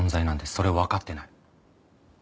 それをわかってない。